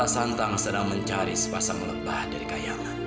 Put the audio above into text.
rara santang sedang mencari sepasang lembah dari kayangan